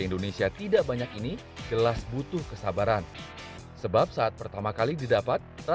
indonesia tidak banyak ini jelas butuh kesabaran sebab saat pertama kali didapat